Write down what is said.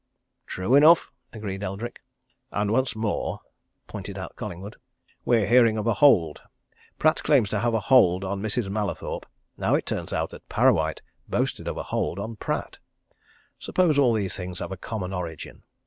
"True enough!" agreed Eldrick. "And once more," pointed out Collingwood. "We're hearing of a hold! Pratt claims to have a hold on Mrs. Mallathorpe now it turns out that Parrawhite boasted of a hold on Pratt. Suppose all these things have a common origin?